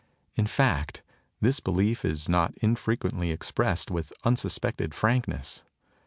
In fact, this belief is not infrequently ex pressed with unsuspected frankness.